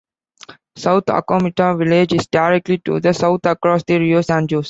South Acomita Village is directly to the south, across the Rio San Jose.